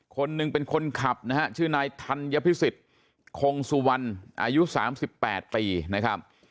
คนนึงเป็นคนขับนะฮะชื่อนายทันยพิสิทธิ์คงสุวรรณอายุสามสิบแปดปีนะครับ